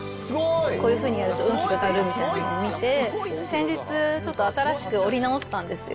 こういうふうにやると運気が上がるみたいなのを見て、先日、ちょっと新しく折り直したんですよ。